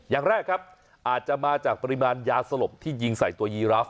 อย่างแรกครับอาจจะมาจากปริมาณยาสลบที่ยิงใส่ตัวยีราฟ